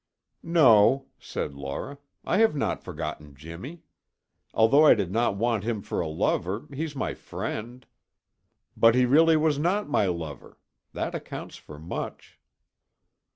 "No," said Laura, "I have not forgotten Jimmy. Although I did not want him for a lover, he's my friend. But he really was not my lover. That accounts for much."